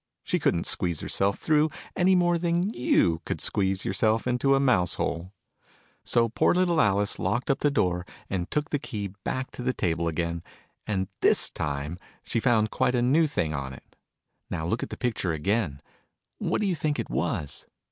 She couldn't squeeze herself through, any more than you could squeeze your self into a mouse hole ! So poor little Alice locked up the door, and took the key back to the table again : and tins time she found quite a new thing on it ( now look at the picture again ), and what do you think it was?